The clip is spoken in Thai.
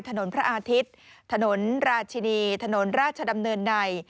ถนนพระอาทิตย์ถนนราชินีถนนราชดำเนินใน